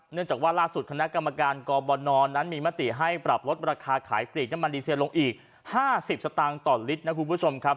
จากว่าล่าสุดคณะกรรมการกบนนั้นมีมติให้ปรับลดราคาขายปลีกน้ำมันดีเซลลงอีก๕๐สตางค์ต่อลิตรนะคุณผู้ชมครับ